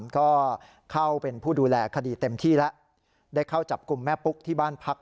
ก็เข้าเป็นผู้ดูแลคดีเต็มที่แล้วได้เข้าจับกลุ่มแม่ปุ๊กที่บ้านพัก